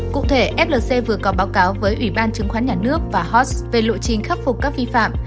cụ thể flc vừa có báo cáo với ủy ban chứng khoán nhà nước và hot về lộ trình khắc phục các vi phạm